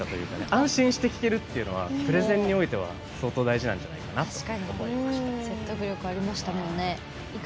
安心して聞けるっていうのはプレゼンにおいては相当大事なんじゃないかと思いました。